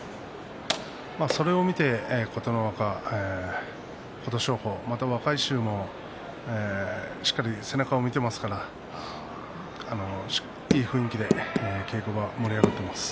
それを見て琴ノ若、琴勝峰また若い衆もしっかり背中を見ていますからいい雰囲気で稽古場、盛り上がっています。